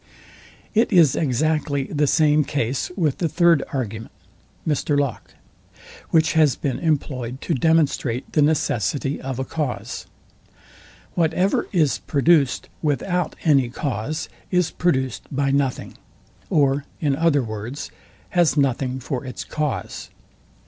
It is exactly the same case with the third argument, which has been employed to demonstrate the necessity of a cause. Whatever is produced without any cause, is produced by nothing; or in other words, has nothing for its cause.